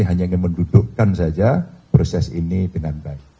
hanya ingin mendudukkan saja proses ini dengan baik